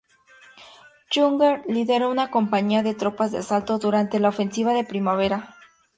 Jünger lideró una compañía de tropas de asalto durante la ofensiva de primavera.